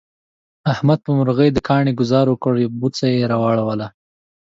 احمد په مرغی د کاڼي گذار وکړ، بوڅه یې را وړوله.